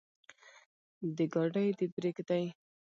د ګاډي د برېک دے